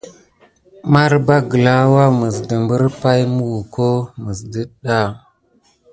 Marba gəlà woua mis dəprire pay mukuho mis ɗədà.